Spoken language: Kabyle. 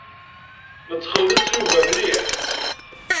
Nettxelliṣ Yuba mliḥ.